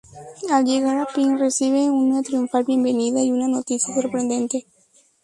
Al llegar a Ping, reciben una triunfal bienvenida y una noticia sorprendente.